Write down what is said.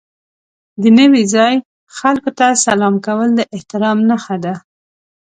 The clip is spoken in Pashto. د نوي ځای خلکو ته سلام کول د احترام نښه ده.